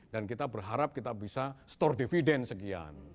dan kita berharap kita bisa store dividen sekian